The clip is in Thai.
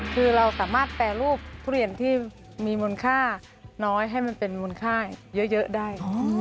คือเราสามารถแปรรูปทุเรียนที่มีมูลค่าน้อยให้มันเป็นมูลค่าเยอะได้